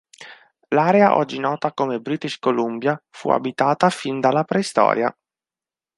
L'area oggi nota come British Columbia fu abitata fin dalla preistoria.